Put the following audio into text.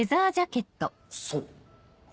そう？